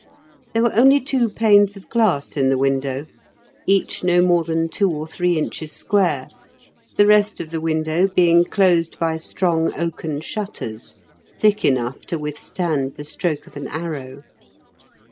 There were only two panes of glass in the window, each no more than two or three inches square, the rest of the window being closed by strong oaken shutters, thick enough to withstand the stroke of an arrow.